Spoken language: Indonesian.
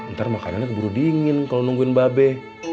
ntar makannya keburu dingin kalau nungguin mbak be